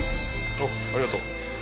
おっありがとう。